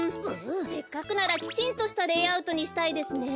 せっかくならきちんとしたレイアウトにしたいですね。